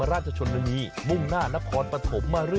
อร่อยจริงเด็ดมาก